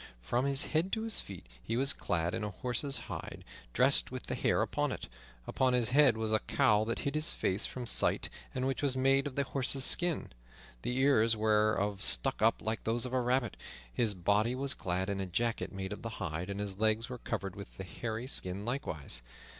From his head to his feet he was clad in a horse's hide, dressed with the hair upon it. Upon his head was a cowl that hid his face from sight, and which was made of the horse's skin, the ears whereof stuck up like those of a rabbit. His body was clad in a jacket made of the hide, and his legs were covered with the hairy skin likewise.